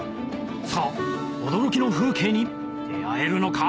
さぁ驚きの風景に出合えるのか？